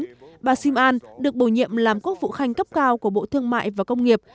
phó thủ tướng rasim an được bổ nhiệm làm quốc phụ khanh cấp cao của bộ thương mại và công nghiệp